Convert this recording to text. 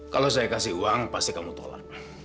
kalau saya kasih uang pasti kamu tolak